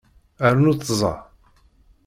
Rnu tẓa.